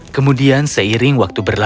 kemudian seiring waktu berhenti